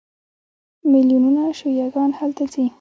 میلیونونه شیعه ګان هلته ځي.